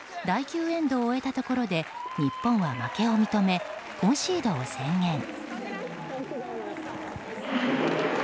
第９エンドを終えたところで日本は負けを認めコンシードを宣言。